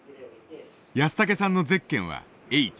安竹さんのゼッケンはＨ。